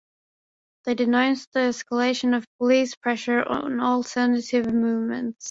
They denounced the escalation of police pressure on alternative movements.